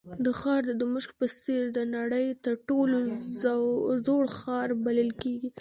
دا ښار د دمشق په څېر د نړۍ تر ټولو زوړ ښار بلل کېږي.